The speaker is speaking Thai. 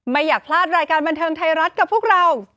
ไม่อยากพลาดรายการบันเทิงไทยรัฐกับพวกเรา